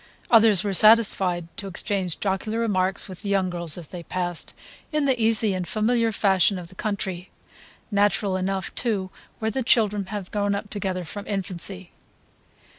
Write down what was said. Others were satisfied to exchange jocular remarks with the young girls as they passed, in the easy and familiar fashion of the country, natural enough too where the children have grown up together from infancy.